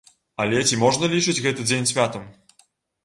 Але ці можна лічыць гэты дзень святам?